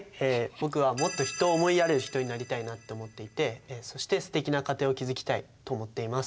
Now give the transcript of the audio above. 僕はもっと人を思いやれる人になりたいなって思っていてそしてステキな家庭を築きたいと思っています。